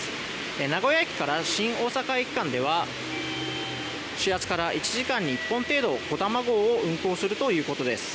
名古屋駅から新大阪駅間では始発から１時間に１本程度「こだま号」を運行するということです。